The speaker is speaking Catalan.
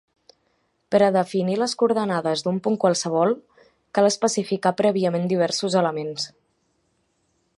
Per a definir les coordenades d'un punt qualsevol, cal especificar prèviament diversos elements.